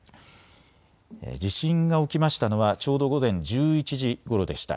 地震が起きましたのはちょうど午前１１時ごろでした。